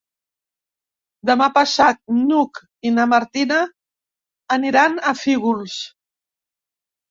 Demà passat n'Hug i na Martina aniran a Fígols.